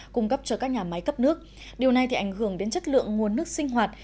cung cấp cho các nhà máy cấp nước điều này thì ảnh hưởng đến chất lượng nguồn nước sinh hoạt